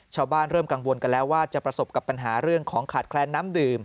เริ่มกังวลกันแล้วว่าจะประสบกับปัญหาเรื่องของขาดแคลนน้ำดื่ม